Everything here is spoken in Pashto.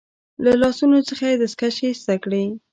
له لاسونو څخه يې دستکشې ایسته کړې.